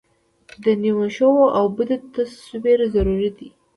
د نیمه ښو او بدو تصویر ضروري وي.